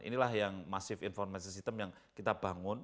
inilah yang masif informasi sistem yang kita bangun